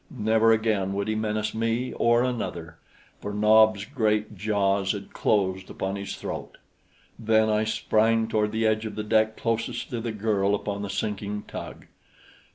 Never again would he menace me or another, for Nob's great jaws had closed upon his throat. Then I sprang toward the edge of the deck closest to the girl upon the sinking tug.